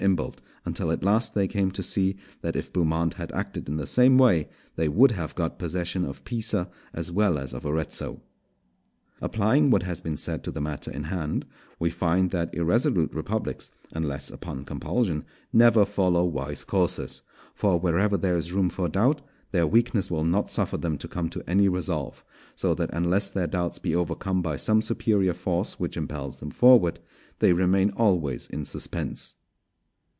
Imbalt, until at last they came to see that if Beaumont had acted in the same way, they would have got possession Of Pisa as well as of Arezzo. Applying what has been said to the matter in hand, we find that irresolute republics, unless upon compulsion, never follow wise courses; for wherever there is room for doubt, their weakness will not suffer them to come to any resolve; so that unless their doubts be overcome by some superior force which impels them forward, they remain always in suspense.